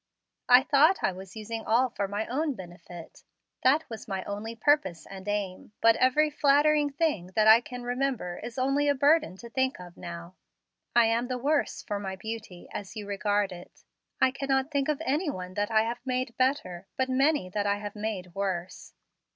I thought I was using all for my own benefit. That was my only purpose and aim, but every flattering thing that I can remember is only a burden to think of now. I am the worse for my beauty, as you regard it. I cannot think of any one that I have made better; but many that I have made worse.